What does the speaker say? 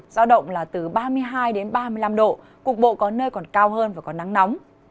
giao động là từ ba mươi hai đến ba mươi năm độ cục bộ có nơi còn cao hơn và có nắng nóng